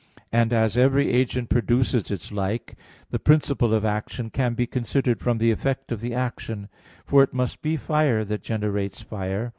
And as every agent produces its like, the principle of action can be considered from the effect of the action; for it must be fire that generates fire.